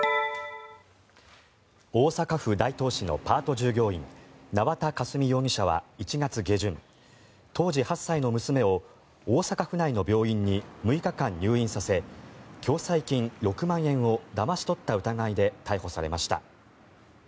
大阪府大東市のパート従業員、縄田佳純容疑者は１月下旬、当時８歳の娘を大阪府内の病院に６日間入院させ、共済金６万円をだまし取った疑いで逮捕されました。